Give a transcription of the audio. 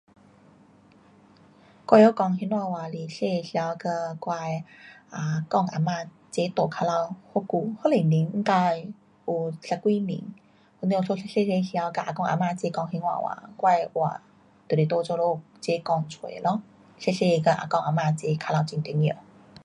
我会晓讲兴华话是小的时头跟我的啊公啊嫲齐住靠牢好久，好多年。应该有十几年。因此讲小小时头跟啊公啊嫲齐讲兴华话，我的兴华话就是在这里跟齐讲出来的咯。小小个跟啊公啊嫲齐靠牢很重要。